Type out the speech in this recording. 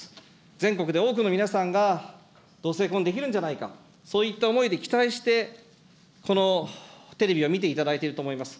全国で多くの皆さんが、同性婚できるんじゃないか、そういった思いで期待して、このテレビを見ていただいていると思います。